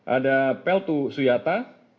ada peltu suyata